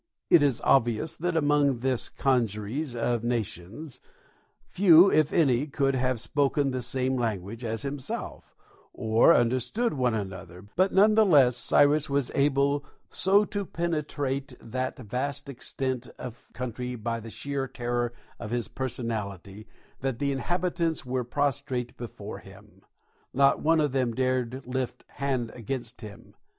It is obvious that among this congeries of nations few, if any, could have spoken the same language as himself, or understood one another, but none the less Cyrus was able so to penetrate that vast extent of country by the sheer terror of his personality that the inhabitants were prostrate before him: not one of them dared lift hand against him.